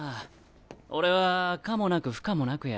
俺は可もなく不可もなくや。